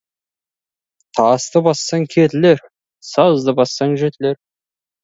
Тасты бассаң, кетілер, сазды бассаң, жетілер.